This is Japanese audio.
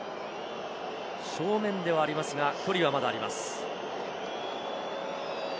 正面ではありますが、距離はまだあります。